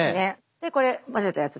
でこれまぜたやつね？